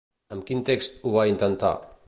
Amb quin text ho va intentar?